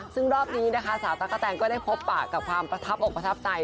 ซึ่งรอบนี้นะคะสาวตั๊กกะแตนก็ได้พบปากกับความประทับอกประทับใจ